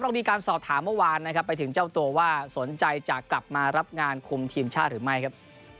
มีการสอบถามเมื่อวานนะครับไปถึงเจ้าตัวว่าสนใจจะกลับมารับงานคุมทีมชาติหรือไม่ครับ